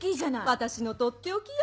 私のとっておきよ。